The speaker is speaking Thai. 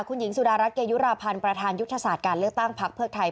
คุณหญิงสุดารัฐเกยุราพันธ์ประธานยุทธศาสตร์การเลือกตั้งพักเพื่อไทย